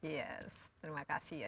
yes terima kasih ya